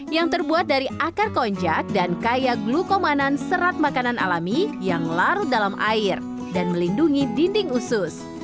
yang terbuat dari akar konjak dan kaya glukomanan serat makanan alami yang larut dalam air dan melindungi dinding usus